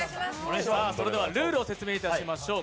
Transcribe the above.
ルールを説明いたしましょう。